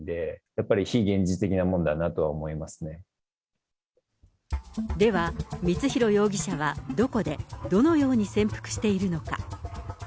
やっぱり非現実的なものだなといでは、光弘容疑者はどこで、どのように潜伏しているのか。